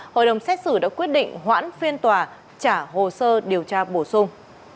hội đồng xét xử đã quyết định hoãn phiên tòa trả hồ sơ điều tra bổ sung